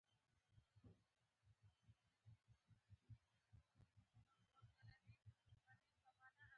پوهاند رښتین د پښتو ټولنې په غړیتوب منل شوی دی.